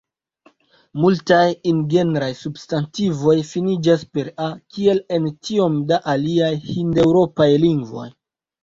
Multaj ingenraj substantivoj finiĝas per -a, kiel en tiom da aliaj hindeŭropaj lingvoj.